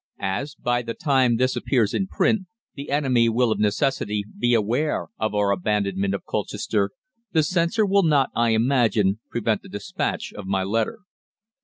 As, by the time this appears in print, the enemy will of necessity be aware of our abandonment of Colchester, the censor will not, I imagine, prevent the despatch of my letter.